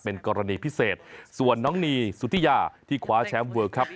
เป็นกรณีพิเศษส่วนน้องนีสุธิยาที่คว้าแชมป์เวิร์กครับ